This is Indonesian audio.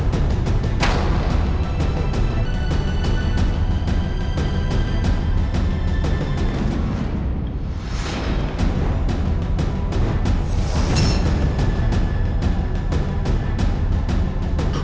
dapur apa itu